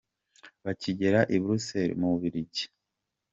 Bakigera i Buruseli mu Bubiligi, Amb.